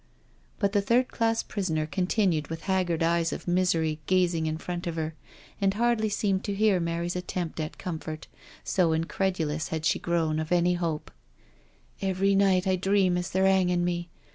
••.'^ But the third class prisoner continued with haggard eyes of misery gazing in front of her, and hardly seeming to hear Mary's attempt at comfort, so incredu lous had she grown of any hope: " Every night I dream as they're *anging me.